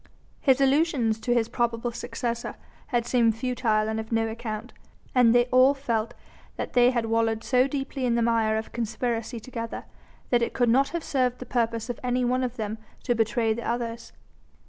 His allusions to his probable successor had seemed futile and of no account, and they all felt that they had wallowed so deeply in the mire of conspiracy together, that it could not have served the purpose of any one of them to betray the others.